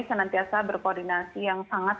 senantiasa berkoordinasi yang sangat